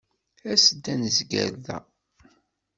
As-d ad nezger da.